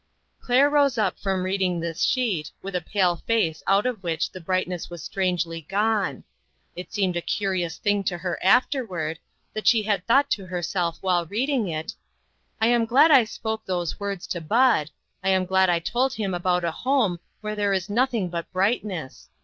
Claire rose up from reading this sheet, with a pale face out of which the brig] it ness was strangely gone. It seemed a cu rious thing to her afterward, that she had thought to herself while reading it : "I am glad I spoke those words to Bud ; I am glad I told him about a home where there is nothing but brightness.